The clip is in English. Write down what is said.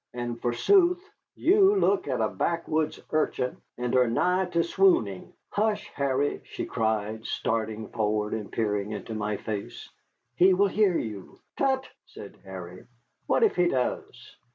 And forsooth, you look at a backwoods urchin, and are nigh to swooning." "Hush, Harry," she cried, starting forward and peering into my face; "he will hear you." "Tut!" said Harry, "what if he does?